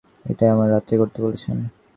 আর আপনারা এটা আমায় রাত্রে করতে বলছেন।